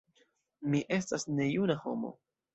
Mi estas nejuna homo.